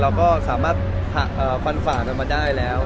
เราก็สามารถหักฝันฝ่ามาได้แล้ว